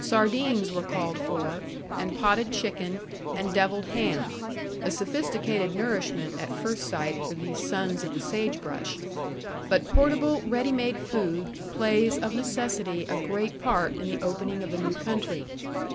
Sardines were called for, and potted chicken, and devilled ham: a sophisticated nourishment, at first sight, for these sons of the sage brush. But portable ready made food plays of necessity a great part in the opening of a new country.